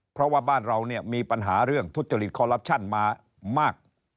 เพราะว่าบ้านเราเนี่ยมีปัญหาเรื่องทุจริตคอลลับชั่นมามาก